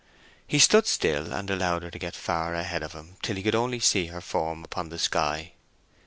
He stood still and allowed her to get far ahead of him till he could only see her form upon the sky.